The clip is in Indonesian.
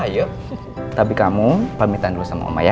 ah yuk tapi kamu permintaan dulu sama oma ya